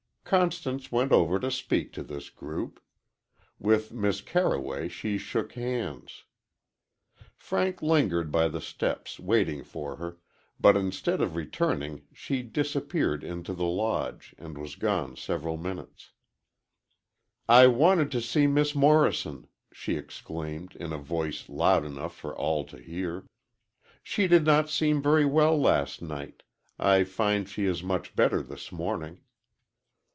Constance went over to speak to this group. With Miss Carroway she shook hands. Frank lingered by the steps, waiting for her, but instead of returning she disappeared into the Lodge and was gone several minutes. "I wanted to see Miss Morrison," she exclaimed, in a voice loud enough for all to hear. "She did not seem very well last night. I find she is much better this morning."